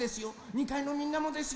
２かいのみんなもですよ。